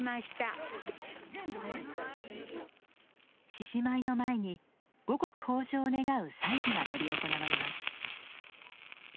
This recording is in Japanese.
獅子舞の前に五穀豊じょうを願う祭事が執り行われます。